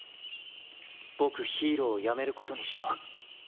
僕ヒーローを辞めることにした。